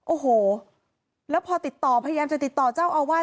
โอ้โหแล้วพอติดต่อพยายามจะติดต่อเจ้าอาวาส